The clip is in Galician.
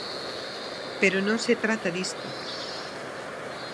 Pero non se trata disto.